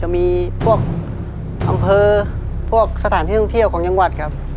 มีพวกอำเภอพวกสถานที่ท่องเที่ยวของจังหวัดครับ